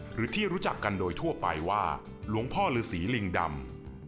หรือที่รู้จักกันโดยทั่วไปว่าหลวงพ่อฤษีลิงดำ